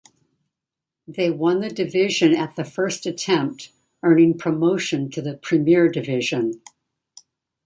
They won the division at the first attempt, earning promotion to the Premier Division.